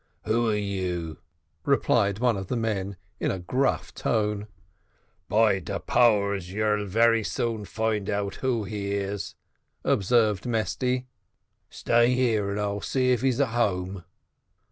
"Who are you?" replied one of the men, in a gruff tone. "By de powers, you very soon find out who he is," observed Mesty. "Stay here, and I'll see if he is at home."